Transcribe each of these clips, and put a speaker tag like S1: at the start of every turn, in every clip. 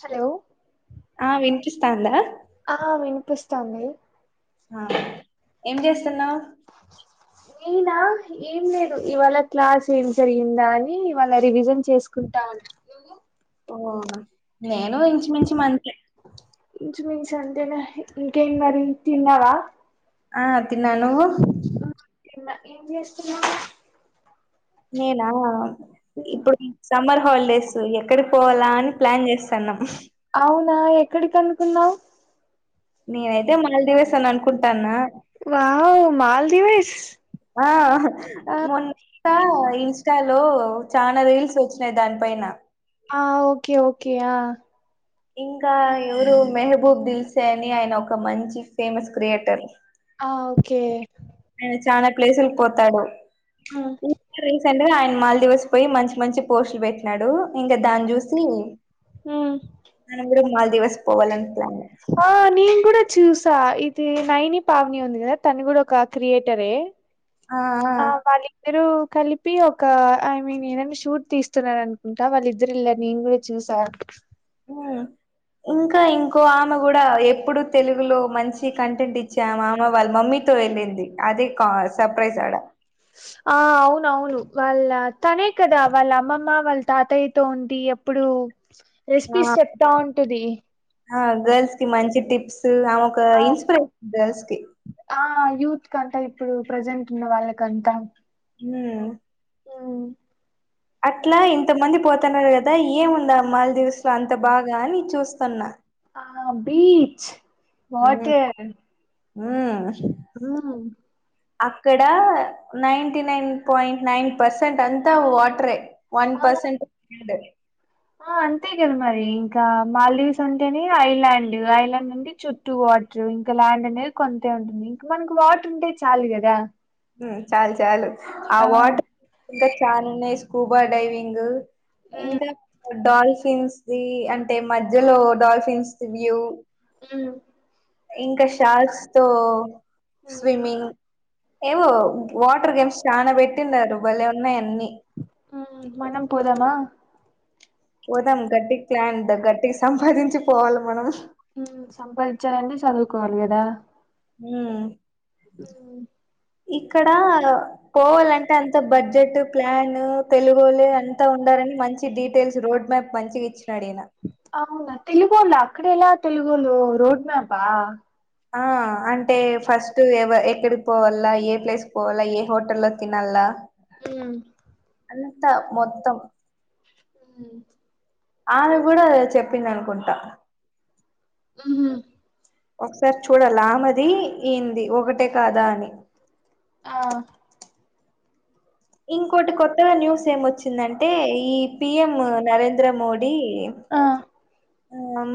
S1: Hello
S2: ఆ వినిపిస్తాందా
S1: చాంది
S2: ఆ ఏం చేస్తున్నావ్
S1: నేనా ఏం లేదు ఇవాళ క్లాస్ ఏం జరిగిందా అని ఇవాళ రివిజన్ చేసుకుంటాన్నా
S2: ఓ నా నేను ఇంచుమించుం అంతే
S1: ఇంచుమించు అంతేలే ఇంకేం మరి తిన్నావా
S2: ఆ తిన్న నువ్వు
S1: తిన్న ఏం చేస్తున్నావ్
S2: నేనా ఇప్పుడు సమ్మర్ హాలిడేస్ ఎక్కడి పోవల్ల అని ప్లాన్ చేస్తాన్నాం
S1: ఆ ఎక్కడికి అనుకున్నావ్
S2: నేనైతే మాల్దీవ్స్ అని అనుకుంటాన్నా
S1: వావ్ మాల్దీవ్స్
S2: ఆ
S1: ఆ
S2: మోన్ ఇంకా ఇన్స్టాలో చాల రీల్స్ వచ్చినాయి దానిపైన
S1: ఆ ఓకే ఓకే ఆ
S2: ఇంకా ఎవరు మెహబూబ్ దిల్సే అని ఆయన ఒక మంచి ఫేమస్ క్రియేటర్
S1: ఆ ఓకే
S2: ఆయన చానా ప్లేసులకి పోతాడు
S1: ఆ
S2: స్ అంటనే ఆయన మాల్దీవ్స్ పోయి మంచి మంచి పోస్టులు పెట్టినాడు ఇంకా దాన్ని చూసి
S1: హ్మ్
S2: మనం కూడ మాల్దీవ్స్ పోవాలని ప్లాన్
S1: ఓ నేను కూడా చూశా త్రి నైని పావని ఉంది కదా తన కూడా ఒక క్రియేటరే ఆ వాళ్ళిద్దరు కలిపి ఒక ఐ మీన్ ఏననా షూట్ తీస్తున్నరానుకుంటా వాళ్ళిద్దరు ఇళ్ల నేను కూడా చూసాను
S2: హు ఇంకా ఇంకో ఆమె కూడా ఎప్పుడు తెలుగులో మంచి కంటెంట్ ఇచ్చామె ఆమె వాళ్ళ మమ్మీతో వెళ్ళింది అదే కా సర్ప్రైస్ ఆడ
S1: ఆ అవునవును వాళ్ళ తనే కదా వాళ్ళ అమ్మమ్మ వాళ్ళ తాతయ్యతో ఉండి ఎప్పుడు
S2: ఆ
S1: రెసిపీస్ చెప్తా ఉంటది
S2: ఆ గర్ల్స్ కి మంచి టిప్స్ ఆమె ఒక
S1: ఆ
S2: ఇన్స్పిరేషన్ గర్ల్స్ కి
S1: ఆ యూత్ కంతా ఇప్పుడు ప్రజెంట్ ఉన్న వాళ్ళకంతా
S2: ఊ
S1: హ్మ్.
S2: అట్లా ఎంత మంది పోతన్నారు కదా ఏముందా ఆ మల్దివెస్లో అంత బాగా అని చూస్తున్నా
S1: ఆ బీచ్ వాటర్
S2: ఊ
S1: మ్మ్
S2: అక్కడ ninety nine point nine percent అంతా వాటరే వన్
S1: ఆ
S2: పర్సెంట్
S1: ఆ అంతే కదా మరి ఇంకా మాల్దీవ్స్ అంటేనే ఐలాండ్ ఐలాండ్ అంటే చుట్టూ వాట్ర్ ఇంకా ల్యాండ్ అనేది కొంతే ఉంటుంది ఇంకా మనకి వాటర్ ఉంటే చాలు కదా
S2: చాలు చాలు ఆ వాటర్ చాన్ ఉన్నాయి స్కూబా డైవింగ్
S1: మ్మ్
S2: ఇంకా డాల్ఫిన్స్ ది అంటే మధ్యలో డాల్ఫిన్స్ వ్యూ
S1: ఉ
S2: ఇంకా షాల్స్ తో
S1: మ్మ్
S2: స్విమ్మింగ్ ఏవో వాటర్ గేమ్స్ చానా పెట్టిండారు బలే ఉన్నాయ్ అన్ని
S1: మనం పోదమా
S2: పోదాం గట్టికి ప్లాన్ ద గట్టికి సంపాదించి పోవాలి మనం
S1: సంపాదించాలంటే చదువుకోవాలి కదా
S2: ఊ
S1: ఉ
S2: ఇక్కడ పోవాలంటే అంత బడ్జెట్ ప్లాన్ తెలుగొల్లె అంత ఉండ మంచి డీటెయిల్స్ రోడ్ మ్యాప్ మంచిగా ఇచ్చినాడు ఈయన
S1: అవునా తెలుగోళ్ళ అక్కడ ఎలా తెలుగోలు రోడ్ మ్యాపా
S2: ఆ అంటే ఫస్ట్ ఎ ఎక్కడికి పోవాల ఏ ప్లేస్ పోవాల ఏ హోటల్లో తిన్నళ్ళ
S1: ఉ
S2: అంత మొత్తం
S1: ఉమ్.
S2: ఆమె కూడా చెప్పింది అనుకుంటా.
S1: ఉమ్.
S2: ఒకసారి చూడాలే ఆమెది ఏంది ఒకటే కాదా అని.
S1: అవును.
S2: ఇంకోటి కొత్తగా న్యూస్ ఏం వచ్చిందంటే ఈ పిఎం నరేంద్ర మోడీ. డీ.
S1: ఆ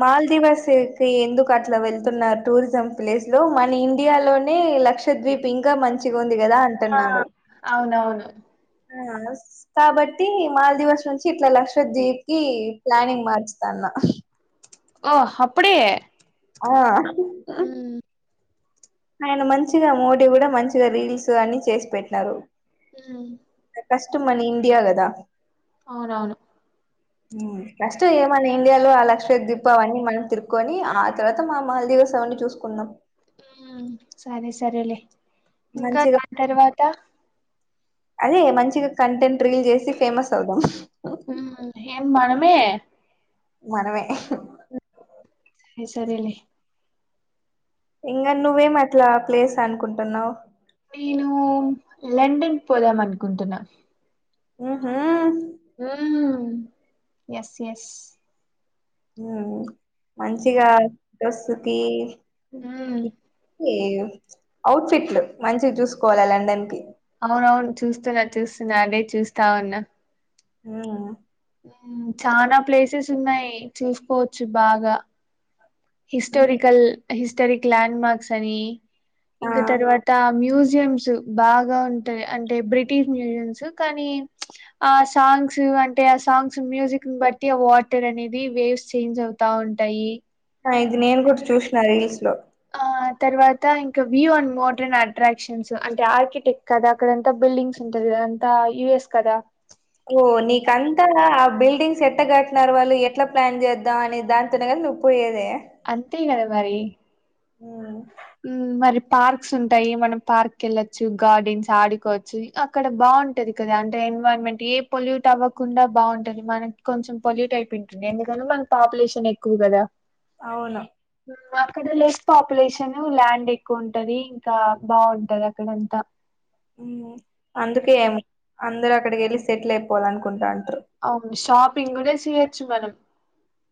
S2: మాల్దీవరుస్కి ఎందుకు అట్లా వెళ్తున్నారు టూరిజం ప్లేస్ లో మన ఇండియాలోని. లక్షదీప్ ఇంకా మంచిగుంది కదా
S1: ఆ
S2: అంటున్నాడు.
S1: అవునవును
S2: ఆహ్ కాబట్టి మాల్ దివస్ నుంచి ఇట్లా లక్షదీప్ కి ప్లానింగ్ మార్చుతా. అన్న.
S1: ఆహ్ అప్పుడే.
S2: ఆహ్.
S1: మ్మ్
S2: ఆయన మంచిగా మోడీ కూడా మంచిగా రీల్స్ అన్ని చేసి పెట్టినారు.
S1: ఉమ్.
S2: ఫస్ట్ మన ఇండియా కదా.
S1: అవునవును.
S2: ఉమ్ ఫస్ట్ ఈ మన ఇండియాలో ఆ లక్ష ద్వీప్ అవన్నీ మనం తిరుకొని ఆ తర్వాత మా మాల్. దేశాన్ని చూసుకుందాం.
S1: ఉమ్ సరే సరేలే ఇంకా దాని
S2: మంచిగా
S1: తర్వాత.
S2: అదే మంచిగా కంటెంట్ రిల్ చేసి ఫేమస్ అవుదాం.
S1: ఉమ్ ఏన్ మనమే.
S2: మనమే.
S1: ఈ సరేలే.
S2: ఇంకా నువ్వేమి అట్లా ప్లేస్ అనుకుంటున్నావు.
S1: నేను లండన్ పోదాం అనుకుంటున్నా.
S2: ఉమ్.
S1: ఉమ్ ఎస్ ఎస్.
S2: ఉమ్ మంచిగా వస్తుతి.
S1: ఉమ్
S2: ఏం ఔట్ ఫిట్లు మంచిగా చూసుకోవాలి లండన్ కి.
S1: అవున అవును చూస్తున్నా చూస్తున్నా అదే చూస్తావున్నా.
S2: ఆహ్.
S1: ఉమ్ చానా ప్లేసెస్ ఉన్నాయి చూసుకోవచ్చు బాగా.
S2: ఉమ్
S1: హిస్టారికల్ హిస్టారిక్ ల్యాండ్ మార్క్స్ అని
S2: ఆ
S1: ఇంకా తర్వాత మ్యూజి. స్యిముస్ బాగా ఉంటాయి అంటే బ్రిటిష్ మ్యూజిస్ కానీ ప్చ్ ఆ సాంగ్స్. అంటే ఆ సాంగ్స్ మ్యూజిక్ ని బట్టి ఆ వాటర్ అనేది వేవ్స్ చేంజ్ అవుతా ఉంటాయి.
S2: ఇది నేను కూడా చూసిన రీల్స్ లో.
S1: ఆ తర్వాత ఇంకా view and motor and attractions అంటే ఆర్కిటెక్ట్ కదా అక్కడంతా బిల్డింగ్స్ ఉంటాయి. కదాంతా యుఎస్ కదా.
S2: ఓ నీకంతా ఆ బిల్డింగ్స్ ఎట్లా కట్నారు వాళ్ళు ఎట్లా ప్లాన్ చేద్దాం అని దానితోనే కదా. నువ్వు పోయేదే.
S1: తిన్నారా మరి. ఉమ్ మరి. పార్క్స్ ఉంటాయి మనం పార్క్ వెళ్లొచ్చు గార్డెన్స్ ఆడుకోవచ్చు అక్కడ బాగుంటది కదా అంటే. ఎన్వరాన్మెంట్ ఏ పొల్యూట్ అవ్వకుండా బాగుంటుంది మనకి కొంచెం పొల్యూట్ అయిపోయి ఉంటుంది ఎందుకంటే మన పాపులేషన్. షక్కు కద
S2: అవును
S1: అక్కడ లెస్ పాపులేషన్ ల్యాండ్ ఎక్కువ ఉంటది ఇంకా బాగుంటది అక్కడంతా
S2: అందుకే
S1: మ్మ్.
S2: ఏం అందరు అక్కడికి వెళ్ళి సెటిల్ అయిపోవాలనుకుంటానారు
S1: అవును షాపింగ్ కూడా చేయొచ్చు మనం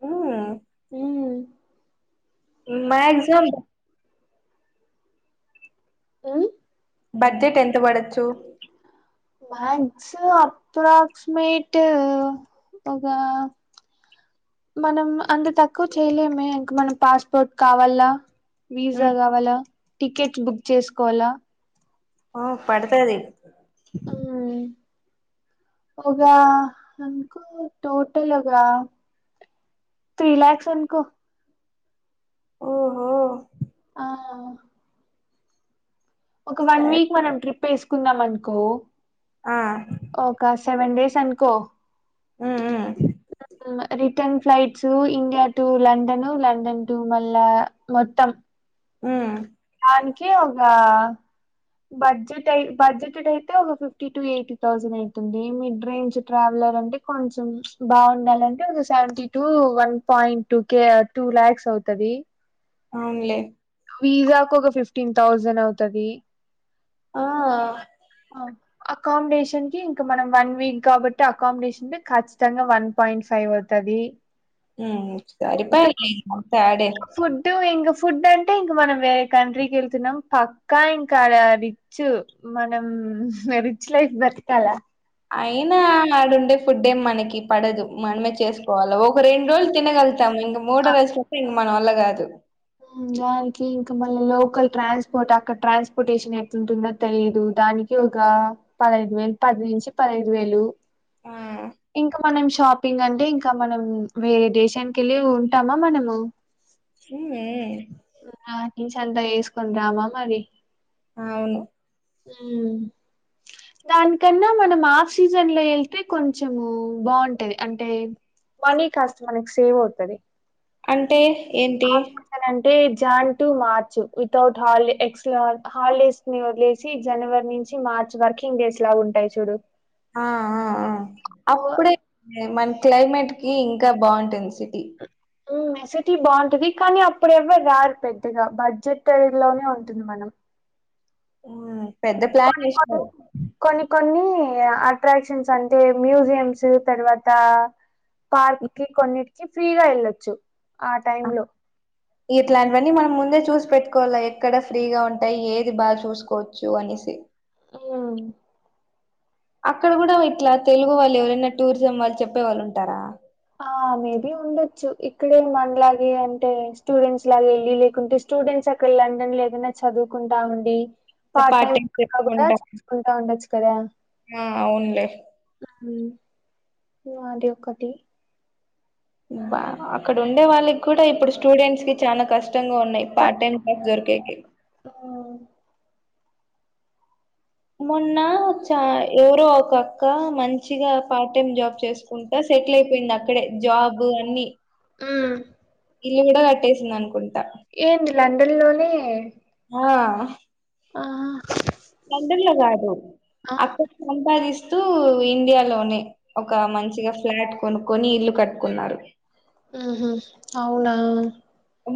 S2: ఉమ్
S1: అ
S2: మ్యాక్సిమమ్
S1: ఆ
S2: బడ్జెట్ ఎంత పడచ్చు
S1: మగస్ అప్రాసిమేట్ ఒక మనం అంత తక్కువ చేయలేమే ఇంక మనం పాస్పోర్ట్ కావల్ల పీజా
S2: ఉమ్
S1: కావాలా టికెట్స్ బుక్ చేసుకోవాలా
S2: ఆ పడుతది
S1: ఆ ఉగా అకు టోటల్ ఉగా త్రీ ల్యాక్స్ అనుకో
S2: ఓహో
S1: ఆ ఒక వన్
S2: సరే
S1: వీక్ మనం ట్రిప్ వేసుకుందాం అనుకో
S2: ఆ
S1: ఒక సెవెన్ డేస్ అనుకో
S2: ఆ ఆ
S1: return flights India to London London to మళ్ళా మొత్తం
S2: ఉ
S1: ధానికీ ఉగా బడ్జెట్ బడ్జెట్ అయితే ఒక ఫిఫ్టీ టు ఎయిటీ థౌసండ్ అయితుంది మిడ్ రేంజ్ ట్రావెల్ కొంచం బాండాలంటే seventy two one point two K to lakhs సౌతది
S2: అవునులే
S1: వీజాకు ఒక ఫిఫ్టీన్ థౌజండ్ అవుతది
S2: ఆ
S1: అకామిడేషన్ కి ఇంకా మనం వన్ వీక్ కాబట్టి అకామిడేషన్ ఖచ్చితంగా వన్ పాయింట్ ఫైవ్ అవుతది అది
S2: సరిపలె
S1: ఇంక ఫుడ్ ఎంగ ఫుడ్ అంటే ఇంక మనం వేరే కంట్రీకి వెళ్తున్నాం పక్కా ఇంకా రిచ్ మనం ఉ రిచ్ లైఫ్ బతికాల
S2: అయినా ఆడుండే ఫుడ్ ఏం మనకి పడదు మనమే చేసుకోవాలా ఒక రెండు రోజులు తినగలుగుతాం ఇంగ మూడ
S1: ఆ
S2: వయసుల ఎంగ మన వల్ల గాదు
S1: దానికి ఇంకా మళ్ళీ లోకల్ ట్రాన్స్పోర్ట్ అక్కడ ట్రాన్స్పోర్టేషన్ ఎట్లుంటుందో తెలీదు దానికి ఒక పదహైదు వేలు పది నుంచి పదహైదు వేలు
S2: ఆ
S1: ఇంకా మనం షాపింగ్ అంటే ఇంకా మనం వేరే దేశానికి వెళ్ళి ఉంటామా మనము
S2: హు
S1: నా నుంచి అంతా వేసుకొని రామా మరి
S2: అవును
S1: ఊ దానికన్నా మనం ఆఫ్ సీజన్ లో ఎళ్తే కొంచము బాగుంటది అంటే మనీ కాస్త మనకి సేవ్ అవుతది
S2: అంటే ఏంటి
S1: హాఫ్ సీజన్ అంటే జాన్ టు మార్చ్ వితౌట్ హాలి ఎక్సల హాలిడేస్ ని వదిలేసి జనవ నుంచి మార్చ్ వర్కింగ్ డేస్ లాగా ఉంటాయి చూడు బో-
S2: అప్పుడే మన క్లైమేట్ కి ఇంకా బాగుంటుంది సిటీ
S1: మెసటీ బాగుంటది కానీ అప్పుడు ఎవ్వరు రారు పెద్దగా బడ్జెట్ లోనే ఉంటుంది మనం
S2: ఉమ్, పెద్ద ప్లాన్
S1: కొన్ని కొన్ని
S2: చేసినారు
S1: కొన్ని కొన్ని అట్రాక్షన్స్ అంటే మ్యూజియంమ్స్ తర్వాత పార్క్ కి కొన్ని ఫ్రీగా వెళ్ళొచ్చు ఆ టైమ్ లో
S2: ఇట్లాంటివన్నీ మనం ముందే చూసి పెట్టుకోవాల ఎక్కడ ఫ్రీగా ఉంటాయి ఏది బాగా చూసుకోవచ్చు అనేసి
S1: ఉ
S2: అక్కడ కూడా ఇట్లా తెలుగు వాళ్ళు ఎవరైనా టూరిజం వాళ్ళు చెప్పే వాళ్ళు ఉంటారా
S1: ఆ మేబి ఉండొచ్చు ఇక్కడే మనలాగే అంటే స్టూడెంట్స్ లాగ ఎళ్ళి లేకుంటే స్టూడెంట్స్ అక్కడ లండన్ లో ఏదైనా చదువుకుంటా ఉండి
S2: ఇట్లా
S1: పార్ట్ టైమ్
S2: టైం
S1: కూడా
S2: చెప్పుకుంటాం
S1: చేసుకుంటా ఉండచ్చు కదా
S2: ఆ అవునులే
S1: ఉ అది ఒకటి
S2: బా అక్కడ ఉండే వాళ్ళకి కూడా ఇప్పుడు స్టూడెంట్స్ కి చాలా కష్ తంగా ఉన్నాయ్ పార్ట్ టైం జాబ్ దొరికేకి
S1: హ్మ్.
S2: మొన్న చ ఎవరో ఒకక్క మంచిగా పార్ట్ టైమ్ జాబ్ చేసుకుంటా సెటిల్ అయిపోయింది అక్కడే జాబ్ అన్ని
S1: ఉ
S2: ఇల్లు కూడా కట్టేసింది అనుకుంటా
S1: ఏంటి లండన్ లోనే
S2: ఆ
S1: ఆ
S2: మండలగాదు
S1: ఆ!
S2: అక్కడ సంపాదిస్ ఇండియాలోనే ఒక మంచిగా ఫ్లాట్ కొనుక్కొని ఇల్లు కట్టుకున్నారు
S1: ఉహు అవునా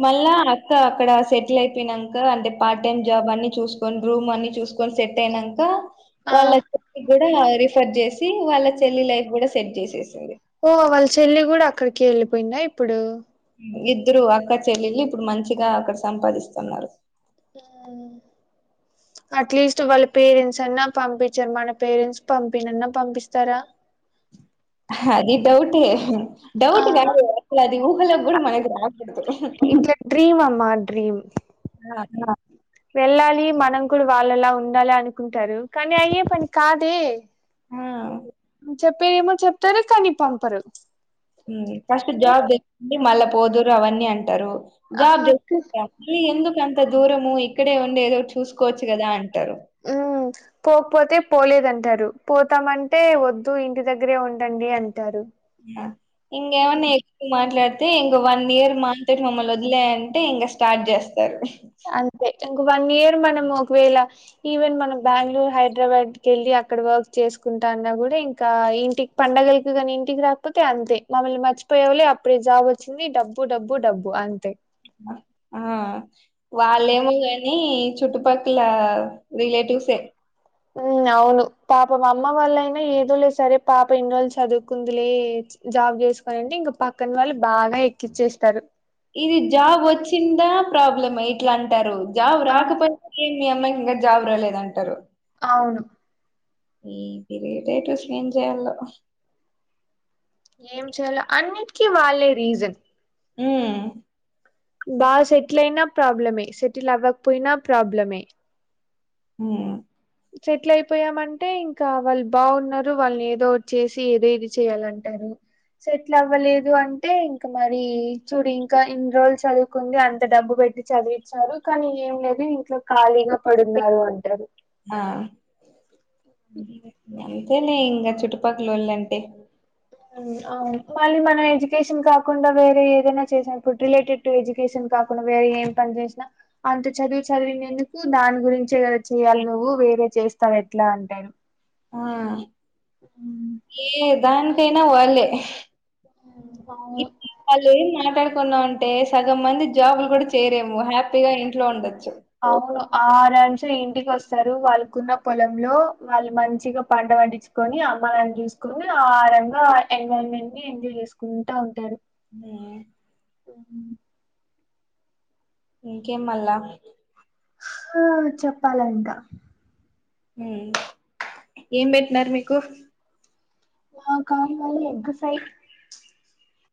S2: మళ్ళా అక్క అక్కడ సెటిల్ అయిపోయినంక అంటే పార్ట్ టైమ్ జాబ్ అన్ని చూసుకోని రూమ్ అన్ని చూసుకో సెట్ అయినంక
S1: ఆ!
S2: వాళ్ళ చెల్లి కూడా రిఫర్ చేసి వాళ్ళ చెల్లి లైఫ్ కూడా సెట్ చేసేసి
S1: ఓ వాళ్ళ చెల్లి కూడా అక్కడికె వెళ్ళిపోయిందా ఇప్పుడు
S2: ఇద్దరు అక్క చెల్లిళ్లు ఇప్పుడు మంచిగా అక్కడ సంపాదిస్తున్నారు
S1: ఆ అట్లీస్ట్ వాళ్ళ పేరెంట్స్ అన్నా పంపించారు మన పేరెంట్స్ పంపినన్నా పంపిస్తారా
S2: అది డౌటే డౌట్
S1: ఆ!
S2: కాదు అసలా అది ఊహలో కూడా మనకు రాకూడదు
S1: ఇట్లా డ్రీమ్ అమ్మా డ్రీమ్
S2: ఆ
S1: వెళ్ళాలి మనం కూడా వాళ్ళలా ఉండాలి అనుకుంటారు కాని అయ్యే పని కాదే
S2: ఆ
S1: చెప్పేదేమో చెప్తారు కాని పంపరు
S2: ఫస్ట్ జాబ్ తెచ్చుకోండి మళ్ళా పోదురు అవన్నీ అంటారు
S1: ఆ
S2: జాబ్ చే మళ్ళీ ఎందుకు అంత దూరము ఇక్కడే ఉండే ఏదో చూసుకోవచ్చు కదా అంటారు [inaudible]
S1: ఉమ్ పోకపోతే పోలేదంటారు పోతామంటే వద్దు ఇంటి దగ్గరే ఉండండి అంటారు
S2: ఇంగేమన్నా
S1: ఉమ్
S2: ఎక్కువ మాట్లాడితే ఇంగా వన్ ఇయర్ మా మమ్మల్ని వదిలేయ్ అంటే ఇంగా స్టార్ట్ చేస్
S1: అంతే ఇంక వన్ ఇయర్ మనము ఒకవేళ ఈవెన్ మనం బెంగళూరు హైదరాబాదికి వెళ్ళి అక్కడ వర్క్ చేసుకుంటా అన్నా కూడా ఇంకా ఇంటికి పండగలికి కాని ఇంటికి రాకపోతే అంతే మమ్మల్ని మర్చిపోయావులే అప్పుడే జాబ్ వచ్చింది డబ్బు డబ్బు డబ్బు డబ్బు అంతే
S2: వాళ్లేమో గని నీ చుట్టుపక్కల రిలేటివ్సే
S1: అవును పాపం అమ్మ వాళ్ళయినా ఏదో లే సరే పాప ఇన్ని రోజులు చదువుకుంది లే జాబ్ చేసుకోనింటే ఇంకా పక్కన వాళ్ళు బాగా ఎక్కించేస్తారు
S2: ఇది జాబ్ వచ్చిందా ప్రాబ్లమ్ ఇట్ల అంటారు జాబ్
S1: ఆ
S2: రాకపోయినా మీ అమ్మాయికి ఇంకా జాబ్ రాలేదా అంటారు
S1: అవును
S2: ఈ రిలేటివ్స్ ని ఏం చేయాలో
S1: ఏం చేయాలో అన్నిటికీ వాళ్ళే రీజన్
S2: ఊ
S1: బాగా సెటిల్ అయిన ప్రాబ్లమే సెటిల్ అవ్వకపోయినా ప్రాబ్లమే
S2: ఈ
S1: సెటిల్ అయిపోయామంటే ఇంకా వాళ్ళు బాగున్నారు వాళ్ళని ఏదోటి చేసి ఏదో ఇది చేయాలంటారు సెట్ల్ అవ్వలేదు అంటే ఇంకా మరి చూడి ఇంకా ఇన్ని రోజు చదువుకుంది అంత డబ్బు పె పెట్టి చదివిచ్చారు కానీ ఏం లేదు ఇంట్లో ఖాళీగా పడున్నావు అంటారు
S2: ఆ అంతేలే ఇంకా చుట్టుపక్కలోళ్ళంటే
S1: అవును మళ్ళీ మనం ఎడ్యుకేషన్ కాకుండా వేరే ఏదైనా చేసినప్పుడు రిలేటెడ్ టు ఎడ్యుకేషన్ కాకుండా వేరే ఏం పని చేసినా అంత చదివి చదివినందుకు దాని గురించే కదా చెయాలి నువ్వు వేే వేరే చేస్తావ్ ఎట్లా అంటారు
S2: ఆ ఏ దానికైనా వాళ్ళే
S1: అవును
S2: ఇప్పుడు వాళ్ళు ఏం మాట్లా కున్నా అంటే సగం మంది జాబ్లు కూడా చేయరేమో హ్యాపీగా ఇంట్లో ఉండొచ్చు
S1: అవును ఆరాంసే ఇంటికి వస్తారు వాళ్ళకున్న పొలంలో వాళ్ళు మంచిగా పంట పండించుకొని అమ్మ నాన్న ని చూసుకుని ఆ రంగా ఎంజాయ్మెంట్ ఎంజాయ్ చేసుకుంటా ఉంటారు
S2: ఉ
S1: ఉహు
S2: ఇంకేం మల్ల
S1: ఆ చెప్పాలంట
S2: ఉమ్ ఏం పెట్టినారు మీకు
S1: మాకా మాది ఎగ్ ఫ్రై